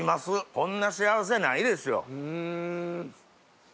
こんな幸せないですよ。